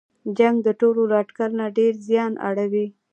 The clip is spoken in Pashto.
جنګ د ټولو له اټکل نه ډېر زیان اړوي.